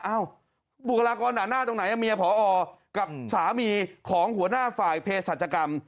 อ้าวบุคลากรหน่าตรงไหนแม่ผอกับสามีของหัวหน้าฝ่ายเพศัตริยกรรม